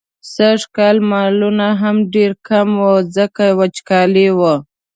سږکال مالونه هم ډېر کم وو، ځکه وچکالي وه.